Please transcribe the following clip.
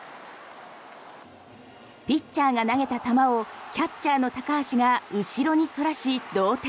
ピッチャーが投げた球をキャッチャーの高橋が後ろにそらし同点。